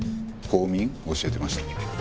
公民教えてました。